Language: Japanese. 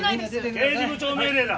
刑事部長命令だ。